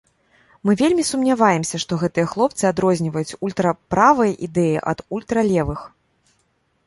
Мы вельмі сумняваемся, што гэтыя хлопцы адрозніваюць ультраправыя ідэі ад ультралевых.